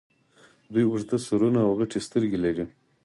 دوی اوږده سرونه او غټې سترګې لرلې